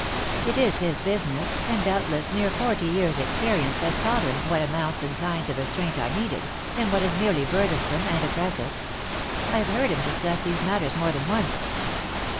It is his business, and doubt less near forty year s experience has taught him what amount and kinds of restraint are needed, and what is merely burthensome and oppressive. I have heard him discuss these matters more than once."